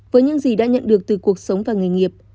với những gì đã nhận được từ cuộc sống và nghề nghiệp